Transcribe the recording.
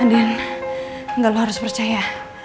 adin enggak lo harus percaya